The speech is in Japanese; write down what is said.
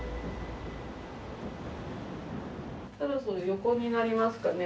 そろそろ横になりますかね。